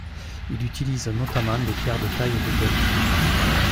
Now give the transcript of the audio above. Il utilise notamment des pierres de taille de Dom.